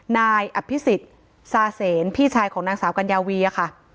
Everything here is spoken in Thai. นายอภิษฎซาเสนพี่ชายของนางสาวกัญญาวีค่ะ